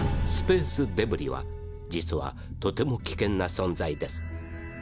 スペースデブリは実はとても危険な存在です。